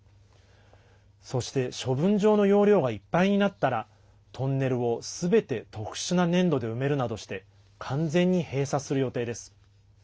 そして、処分場の容量がいっぱいになったらトンネルをすべて特殊な粘土で埋めるなどして完全に閉鎖する予定です。